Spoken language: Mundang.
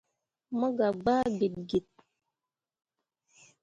Mo gah gbaa git git.